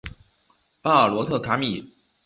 巴尔罗特卡米。